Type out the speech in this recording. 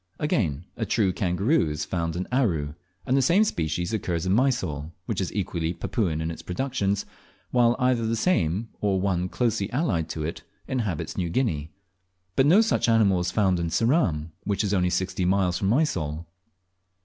Again, a true kangaroo is found in Aru, and the same species occurs in Mysol, which is equally Papuan in its productions, while either the same, or one closely allied to it, inhabits New Guinea; but no such animal is found in Ceram, which is only sixty miles from Mysol.